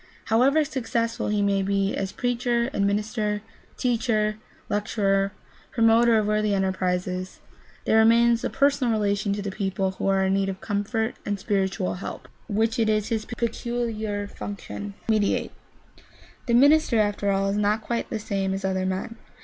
However successful he may be as preacher, administrator, teacher, lecturer, promoter of worthy enterprises, there remains the personal relation to the people who are in need of comfort and spiritual help, which it is his peculiar function to mediate. The minister, after all, is not quite the same as other men.